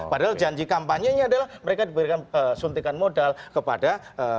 padahal janji kampanyenya adalah mereka diberikan suntikan modal kepada